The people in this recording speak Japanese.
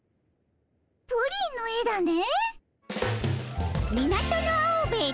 プリンの絵だね。